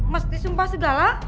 mesti sumpah segala